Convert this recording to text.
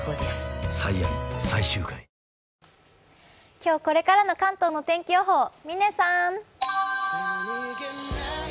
今日これからの関東の天気予報、嶺さーん。